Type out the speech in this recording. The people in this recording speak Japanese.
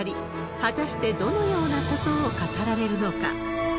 果たして、どのようなことを語られるのか。